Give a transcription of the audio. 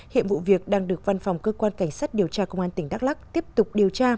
hiện vụ việc đang được văn phòng cơ quan cảnh sát điều tra công an tỉnh đắk lắc tiếp tục điều tra